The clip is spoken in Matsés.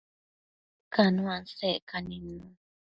Cano asecca nidnun